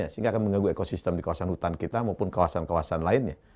sehingga akan mengganggu ekosistem di kawasan hutan kita maupun kawasan kawasan lainnya